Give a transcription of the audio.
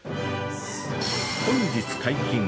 ◆本日解禁。